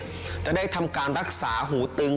เพราะสาเหตุจะได้ทำการรักษาหูตึง